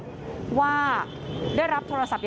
ทุ่มสิบห้าในนัทพุธประกาศอีกรอบ